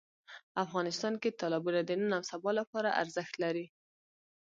افغانستان کې تالابونه د نن او سبا لپاره ارزښت لري.